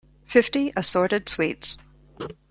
Fifty assorted sweets.